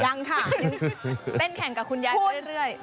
ยังค่ะยังเต้นแข่งกับคุณยายเรื่อย